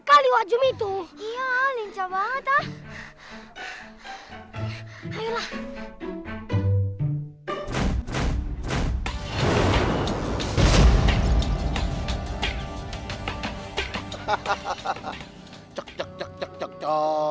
kalian semua payah